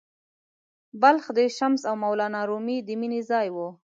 بلخ د “شمس او مولانا رومي” د مینې ځای و.